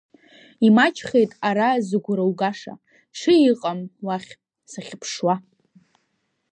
Имаҷхеит ара зыгәра угаша, ҽеи ыҟам уахь, сахьыԥшуа.